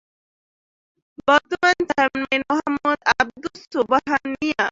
বর্তমান চেয়ারম্যান মো: আব্দুস সোবহান মিয়া।